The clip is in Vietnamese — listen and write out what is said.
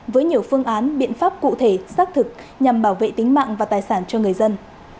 với nhiều phương án biện pháp cụ thể xác thực nhằm bảo vệ tính mạng và tài sản cho người dân